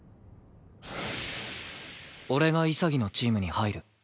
俺が潔のチームに入る。